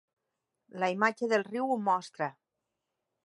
La imatge del riu ho mostra.